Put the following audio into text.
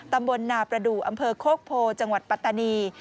ตำบลนาประดูกอำเภอโคกโพจังหวัดปัตตานี